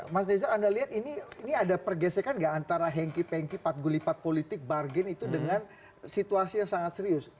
mas dezar anda lihat ini ada pergesekan nggak antara hengki pengki patgulipat politik bargain itu dengan situasi yang sangat serius